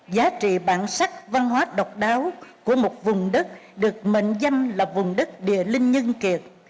giá trị bản sắc văn hóa độc đáo của một vùng đất được mệnh danh là vùng đất địa linh nhân kiệt